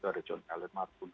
ada john kalemart pun